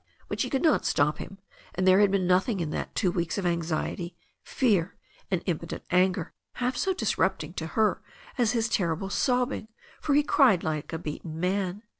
But she could not stop him, and there had been nothing in that two weeks of anxiety, fear and impotent anger half so disrupting to her as his terrible sobbing, for he cried like a beaten man.